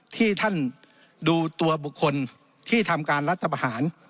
ที่ท่านดูตัวบุคคลที่ทำการรัฐประหาร